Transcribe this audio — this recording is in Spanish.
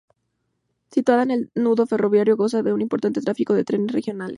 Situada en un nudo ferroviario goza de un importante tráfico de trenes regionales.